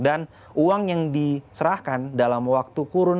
dan uang yang diserahkan dalam waktu kurang